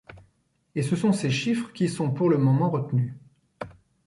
Et ce sont ces chiffres qui sont, pour le moment, retenus.